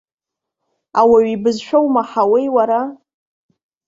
Ауаҩы ибызшәа умаҳауеи уара?